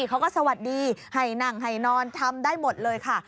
เค้าก็สวัสดีหายหนังหายนอนทำได้หมดเลยค่ะ